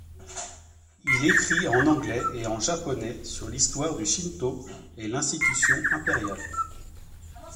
Il écrit en anglais et en japonais sur l'histoire du shinto et l'institution impériale.